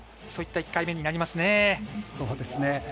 そういった１回目になりますね。